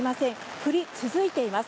降り続いています。